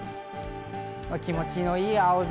気持ちのいい青空。